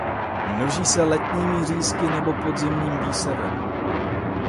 Množí se letními řízky nebo podzimním výsevem.